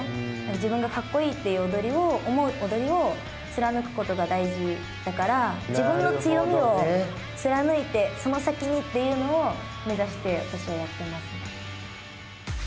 自分が格好いいという踊りを思う踊りを貫くことが大事だから自分の強みを貫いてその先にというのを目指してやってます。